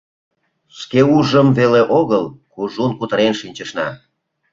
— ШкеУжым веле огыл, кужун кутырен шинчышна.